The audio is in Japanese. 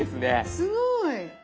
すごい。